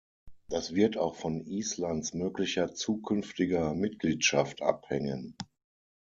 Das wird auch von Islands möglicher zukünftiger Mitgliedschaft abhängen.